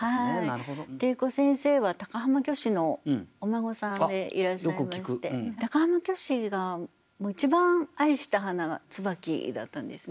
汀子先生は高浜虚子のお孫さんでいらっしゃいまして高浜虚子が一番愛した花が椿だったんですね。